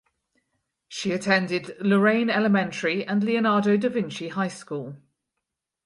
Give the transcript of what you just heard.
She attended Lorraine Elementary and Leonardo da Vinci High School.